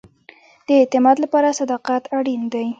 د اعتماد لپاره صداقت اړین دی